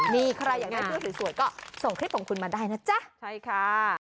มีใครอยากให้ดูสวยก็ส่งคลิปของคุณมาได้นะจ๊ะ